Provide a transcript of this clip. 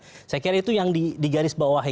saya kira itu yang digarisbawahi